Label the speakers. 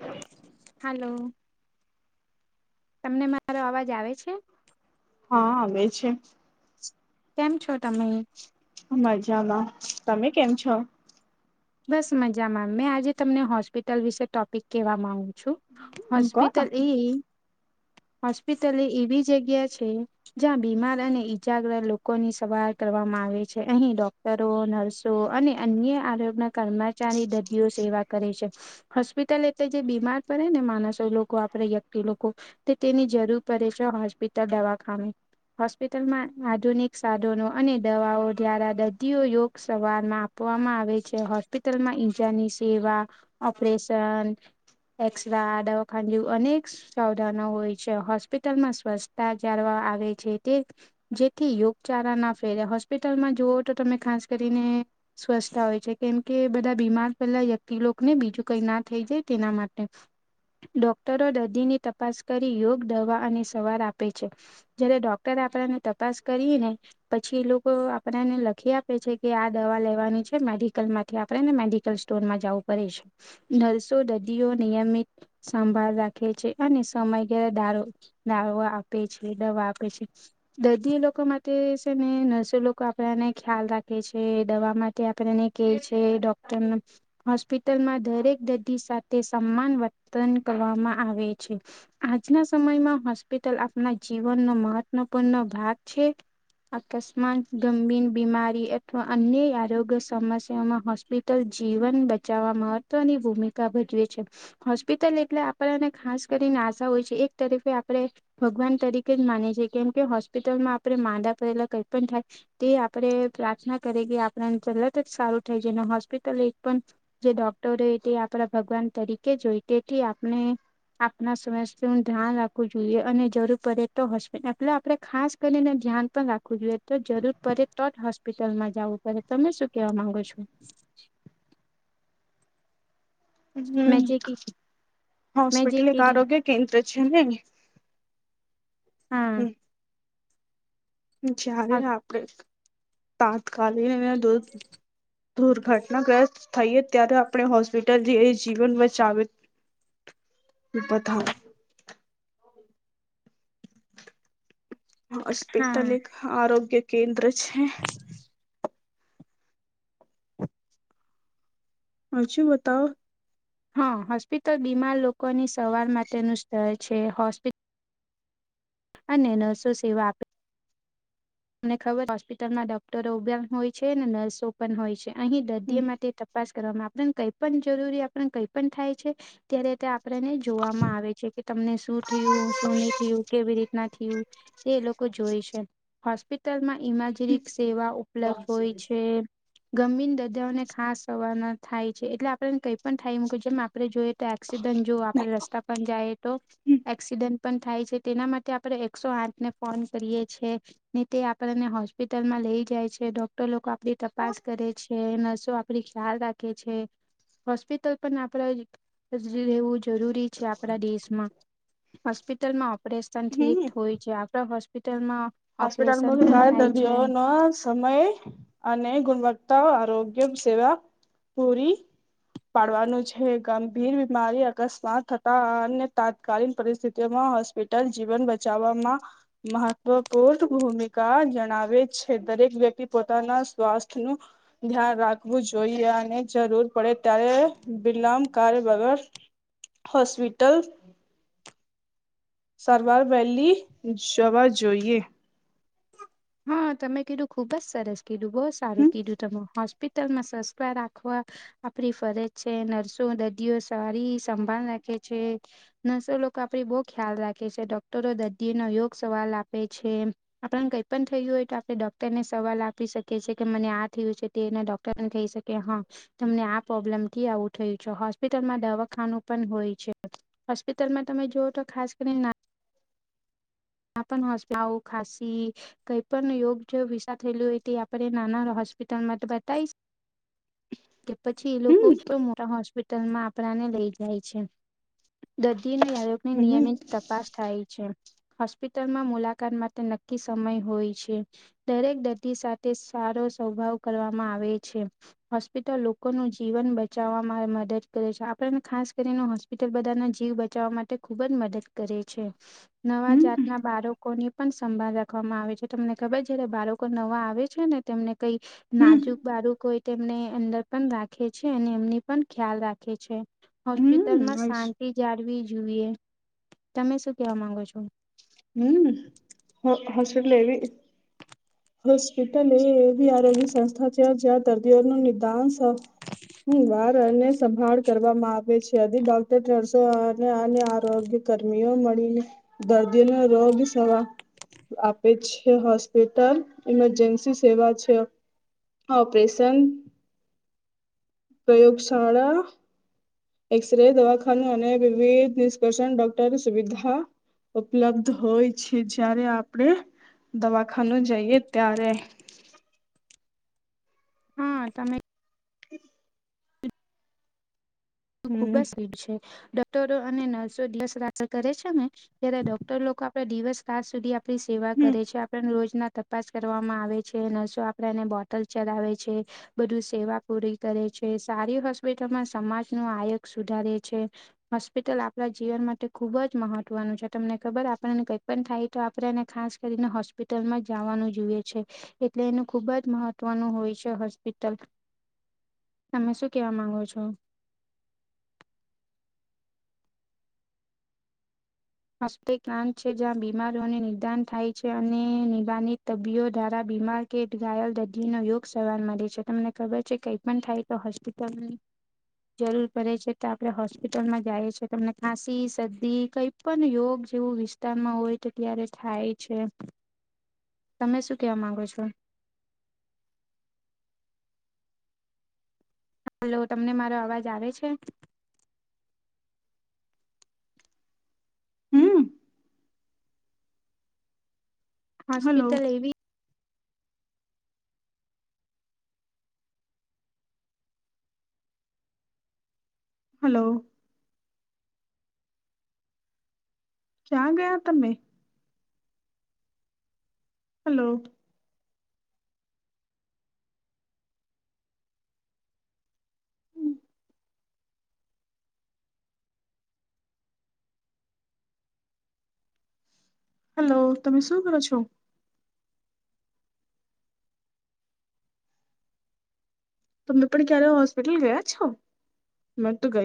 Speaker 1: હ.
Speaker 2: હાલો. તમને મારો અવાજ આવે છે.
Speaker 1: હા આવે છે.
Speaker 2: કેમ છો તમે?
Speaker 1: મજામાં તમે કેમ છો?
Speaker 2: બસ મજા મેં આજે તમને હોસ્પિટલ વિશે ટોપિક કેહેવા માંગુ છું.
Speaker 1: કોને
Speaker 2: હોસ્પિટલ એ હોસ્પિટલ એ એવી જગ્યા છે. જ્યાં બીમાર અને ઈજાગ્ર લોકોની સવાર કરવામાં આવે છે અહીં ડોક ડરો, નર્સો અને અન્ય આરોગના કર્મચારી દર્દીઓ સેવા કરે છે. હોસ્પિટલ એટલે જે બીમાર પડે ને માણસો એ લોકો આપડે વ્યક્તિ લોકો તે તેની જરૂર પડે છે હોસ્પિટલ દવાખાને. હોસ્પિટલમાં આધુનિક સાધનો અને દવાઓ દ્વારા દર્દીઓ યોગ સવારમાં. આપવામાં આવે છે હોસ્પિટલમાં ઈજાની સેવા ઓપરેશન એક્રા દવા ખાંજ અનેક. સાવધાનો હોય છે હોસ્પિટલમાં સ્વચછતા જાળવા આવે છે તે. જેથી યોગચારા ના ફેરે હોસ્પિટલમાં જુઓ તો તમે ખાસ કરીને. સ્વચ્છતા હોય છે કેમ કે બધા બીમાર પહેલા વ્યક્તિલો ને બીજું કઈ ના થઈ જાય તેના માટે. ડોક્ટરો દર્દીની તપાસ કરી યોગ દવા અને સવાર આપે છે. જયારે ડોક્ટરે આપણેને તપાસ કરી ને. પછી એ લોકો આપણને લખી આપે છે કે આ દવા લેવાની છે મેડિકલમાં. તેથી આપણેને મેડિકલ સ્ટોરમાં જવું પડે છે નર્સો દર્દીઓ નિયમિત સંભાળ રાખે છે અને સમયગળ દારો દ આપે છે દવા આપે છે. દર્દી લોકો માટે છે ને નર્સો લોકો આપડને ખ્યાલ રાખે છે દવા માટે. કયાં કરીને કે છે ડોક્ટર હોસ્પિટલમાં દરેક દર્દી સાથે સમાન વર્તન કરવામાં આવે છે આજના સમયમાં હોસ્પિટલ આપના જીવનનો મહત્વપૂર્ણ ભાગ છે અકસ્માત ગંભીર બીમારી અથવા અન્ય આરોગ્ય સમસ્યા તેમાં હોસ્પિટલ જીવન બચાવવા મહત્વની ભૂમિકા ભજવે છે હોસ્પિટલ એટલે આપણને ખાસ કરીને આશા હોય છે એક તરફ આપણે ભગવાન તરીકે જ માને છે કેમ કે હોસ્પિટલમાં આપણે માંદા પરેલા કઈ પણ થાય તે આપણે પ્રાર્થના કરીએ કે આપણને તલત જ સારું થાય છે અને હોસ્પિટલ એક પણ જે ડોક્ટર તે આપણા ભગવાન તરીકે જોઈ તેથી આપણે આપણા સ્વાસ્થય નો ધ્યાન રાખવું જોઈએ અને જરૂર પડે તો હશે એટલે આપણે ખાસ એને ધ્યાન પણ રાખવું જોઈએ તો જરૂર પડે તો જ હોસ્પિટલમાં જવું પડે તમે શું કેહેવા માંગો છો
Speaker 1: હમ્મ
Speaker 2: મેં જે કીધું મેં જે
Speaker 1: હાસ્પિટલ એક
Speaker 2: કીધું
Speaker 1: આરોગ્ય કેન્દ્ર છે ને
Speaker 2: હા
Speaker 1: હમ્મ જ્યારે આપડે તાત્કાલિકને દૂધ દુર્ઘટનાગ્રસ્ત થઈએ ત્યારે આપણે હોસ્પિટલથી એ જીવન બચાવે બધા હોસ્પિટલ
Speaker 2: હા
Speaker 1: એક આરોગ્ય કેન્દ્ર છે હજુ બતાવો
Speaker 2: હા હોસ્પિટલ બીમાર લોકોની સવાર માટેનું સ્તર છે, હોસ્પિ અને નર્સો સેવા આપે, તમને ખબર હોસ્પિટલમાં ડોક્ટરો પણ હોય છે, નર્સો પણ હોય છે અહી
Speaker 1: હમ
Speaker 2: દર્દી માટે તપાસ કરવામાં આપને કઈ પણ જરૂરી આપને કઈ પણ થાય છે અત્યારે તે આપણેને જોવામાં આવે છે તમને શું થયું શું નહી થયું કેવી રીતના થયું એ લોકો જોય છે હોસ્પિટલમાં ઇમજરી સેવા ઉપલબ્ધ હોય છે ગમીન દદાઓને ખાસ સવાના થાય છે એટલે આપણેને કઈ પણ થાય મૂકી જેમ આપણે જોઈએ એક્સિડન્ટ જો આપડે રસ્તા પણ જઈએ તો એક્સિડન્ટ પણ થાય છે તેના માટે આપડણે એકસો આઠ ને ફોન કરીએ છેએ ને તે આપણને હોસ્પિટલમાં લઈ જાય છે ડોક્ટર લોકો આપડી તપાસ કરે છે નર્સો આપડી ખ્યાલ રાખે છે હોસ્પિટલ પણ આપણા રહેવું જરૂરી છે આપણા દેશમાં હોસ્પિટલમાં ઓપરેશન ઠીક હોય છે આપણા હોસ્પિટલમાં ઓપરેશન પણ
Speaker 1: હસ્પિટલમાં
Speaker 2: થાય
Speaker 1: [unintelligible]
Speaker 2: છે
Speaker 1: હો નર્સ સમય અને ગુણવત્તા આરોગ્ય સેવા પૂરી, પાડવાનું છે ગંભીર બીમારી અકસ્માત થતા અન્ય તાત્કાલીન પરિસ્થિતિમાં. હોસ્પિટલ જીવન બચાવવામાં મહત્વ. પૂર્ત ભૂમિકા જણાવે છે દરેક વ્યક્તિ પોતાના સ્વાસ્થ્યનું. ધ્યાન રાખવું જોઈએ અને જરૂર પડે ત્યારે વિલામ કાર્ય વગર, હોસ્પિટલ. સારવાર વેલી જવા જોઈએ.
Speaker 2: હા તમે કીધું ખુબ જ સરસ કીધું બહુ સારું
Speaker 1: હમ
Speaker 2: કીધું તમ હોસ્પિટલમાં સસ્વા રાખવા. આપણી ફરજ છે, નર્સો, દર્દીઓ સારી સંભાળ નાખે છે. નર્સો લોકો આપડી બહુ ખ્યાલ રાખે છે, ડોક્ટરો દર્દી નો યોગ સવાલ આપે છે. આપણા ને કઈ પણ કઈ પણ થયું હોય તો આપણે ડોક્ટરને સવાલ આપી શકીએ છીએ કે મને આ થયું છે તેના ડોક્ટરને કહી શકી હા તમને આ પ્રોબ્લેમ થી આવું થયું છે હોસ્પિટલમાં દવાખાનું પણ હોય છે. હોસ્પિટલમાં તમે જોઓ તો ખાસ કરીને ના આપ પણ હોસ્પિટલ તાવ, ખાસી કઈ પણ યોગ વિસા થયે હોય તે આપણે નાના હોસ્પિટલમાં બતાવીશ. કે પછી એ લોકો
Speaker 1: હમ
Speaker 2: પણ મોટા હોસ્પિટલમાં આપણાને લઈ જાય છે. દર્દી ન યાદગની
Speaker 1: હમ
Speaker 2: નિયમિત તપાસ થાય છે. હોસ્પિટલમાં મુલાકાત માટે નક્કી સમય હોય છે. દરેક દર્દી સાથે સારો સ્વભાવ કરવામાં આવે છે. હોસ્પિટલ લોકોનું જીવન બચાવવાવામાં મદદ કરે છે. આપને ખાસ કરીને બધા ના જીવ બચાવવા માટે ખુબ જ મદદ કરે છે, નવા
Speaker 1: હમ
Speaker 2: જાતના બા બાળકોની પણ સંભાળ રાખવામાં આવે છે, તમને ખબર જયારે બાળકો નવા આવે છે ને તેમને કઈ
Speaker 1: હમ
Speaker 2: નાજુક બાળક હોય તેમને અંદર પણ રાખે છે, અને એમની પણ ખ્યાલ રાખે છે
Speaker 1: હમ
Speaker 2: હોસ્પિટલમાં શ શાંતિ જાળવી જોઈએ તમે શું કેવા માંગો છો?
Speaker 1: હમ્મ હાસ્પિટલ એટલે હોસ્પિટલ એ એવી આરોગ્ય સંસ્થા છે, જ્યાં દર્દીઓ ન નિદાન હ વાર અને સંભાળ કરવામાં આવે છે, અને ડોક્ટર નર્સો અને આ આરોગ્ય કર્મીઓ મળીને દર્દીઓનો રોગ સવા આપે છે. હોસ્પિટલ ઇમરજન્સી સેવા છે ઓપરેશન પ્રયોગશાળા એકસરે, દવાખાનું અને વિવિધ નિષકર્ષણ ડોક્ટર સુવિધા ઉપલબ્ધ હોય છે જ્યારે આપણે દવાખાનો જઈએ ત્યારે.
Speaker 2: હા તમે
Speaker 1: [inaudible] હમ
Speaker 2: ખુબી જ સ્વીટ છે ડોક્ટરો અને નર્સો દિવસ રાત કરે છે ને ત્યારે ડોક્ટર લોકો આપ દિવસ રાત સુધી આપણી સેવા
Speaker 1: હમ
Speaker 2: કરે છે, આપણ રોજના તપાસ કરવામાં આવે છે, નર્સો આપડા એને બોટલ ચરાવે છે. બધું સેવા પૂરી કરે છે, સારી હોસ્પિટલમાં સમાજ ન આયત સુધારે છે. હોસ્પિટલ આપણા જીવન માટે ખુબ જ મહત્વનું છે. તમને ખબર આપણને કઈ પણ થાય તો આપણે એને ખાસ કરીને હોસ્પિટલમાં જવાનું જોઈએ છે. એટલે એનું ખુબ જ મહત્વનું હોય છે હોસ્પિટલ. તમે શું કેવા માંગો છો? હોસ્પિટલ છે જ્યાં બીમારોને નિદાન થાય છે અને નિદાનિત તબીયો દ્વાારા બીમાર કેટલા ઘાયલ દર્દી નો યોગ સવાર મળે છે, તમને ખબર છે કઈ પણ થાય તો હોસ્પિટલ જરૂર પડે છે તો આપડે હોસ્પિટલમાં જાઈએ છીએ તમને ખાંસી, શરદી કઈ પણ પણ યોગ જેવું વિસ્તારમાં હોય તો ત્યારે થાય છે. તમે શું કેવા માંગો છો? હલો તમને મારો અવાજ આવે છે?
Speaker 1: હમ્મ. હલો
Speaker 2: હોસ્પિટલ એવી
Speaker 1: હલો. ક્યાં ગયા તમે. હલો. હલો તમે શું કરો છો? તમે પણ ક્યારે હોસ્પિટલ ગયા છો? મે તો ગઈ.